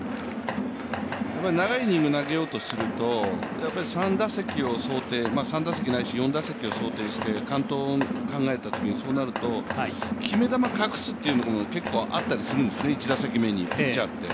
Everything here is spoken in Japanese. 長いイニングを投げようとすると３打席４打席を想定して、完投を考えたときにそうなると決め球隠すというのも結構あったりするんですね、１打席目にピッチャーって。